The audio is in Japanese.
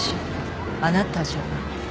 あなたじゃない。